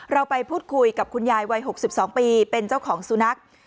เราไปพูดคุยกับคุณยายวัย๖๒ปีเป็นเจ้าของสุนัข